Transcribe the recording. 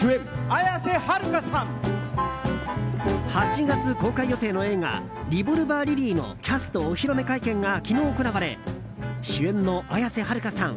８月公開予定の映画「リボルバー・リリー」のキャストお披露目会見が昨日、行われ主演の綾瀬はるかさん